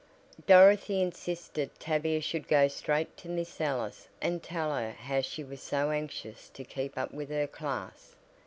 Dorothy insisted Tavia should go straight to Miss Ellis and tell her how she was so anxious to keep up with her class.